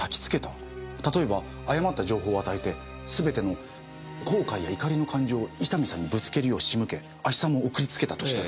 例えば誤った情報を与えてすべての後悔や怒りの感情を伊丹さんにぶつけるよう仕向け亜ヒ酸も送りつけたとしたら。